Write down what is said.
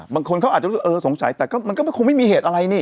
บางคนเขาอาจจะสงสัยแต่มันก็คงไม่มีเหตุอะไรนี่